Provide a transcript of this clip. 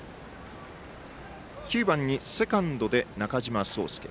９番にセカンドで中嶋奏輔。